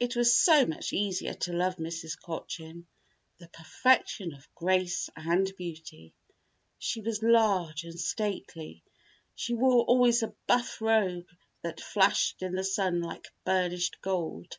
It was so much easier to love Mrs. Cochin, the perfection of grace and beauty. She was large and stately. She wore always a buff robe that flashed in the sun like burnished gold.